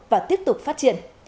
và tiếp tục phát triển